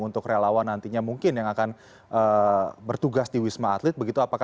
untuk relawan nantinya mungkin yang akan bertugas di wisma atlet begitu apakah